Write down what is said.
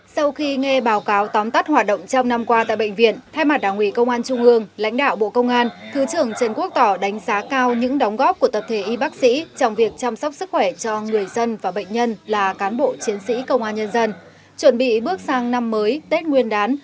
sau khi nghe báo cáo tóm tắt hoạt động trong năm qua tại bệnh viện thay mặt đảng ủy công an trung ương lãnh đạo bộ công an thứ trưởng trần quốc tỏ đánh giá cao những đóng góp của tập thể y bác sĩ trong việc chăm sóc sức khỏe cho người dân và bệnh nhân là cán bộ chiến sĩ công an nhân dân